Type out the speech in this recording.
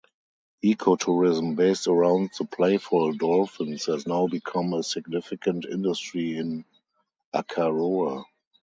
Eco-tourism based around the playful dolphins has now become a significant industry in Akaroa.